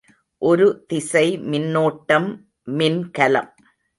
ஒரு திசை மின்னோட்டம் மின்கலம்.